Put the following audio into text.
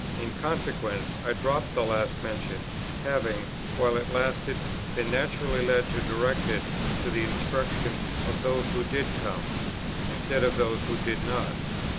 In consequence I dropped the last mentioned, having, while it lasted, been naturally led to direct it to the instruction of those who did come, instead of those who did not.